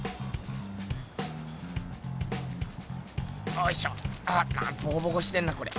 おいしょボコボコしてんなこれ。